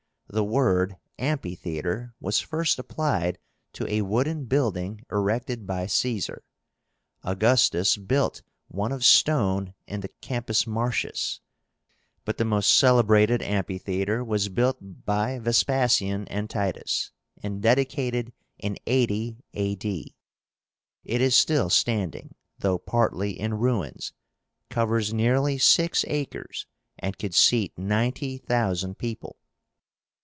The word Amphitheatre was first applied to a wooden building erected by Caesar. Augustus built one of stone in the Campus Martius, but the most celebrated amphitheatre was built by Vespasian and Titus, and dedicated in 80 A. D. It is still standing, though partly in ruins, covers nearly six acres, and could seat ninety thousand people.